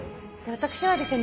私はですね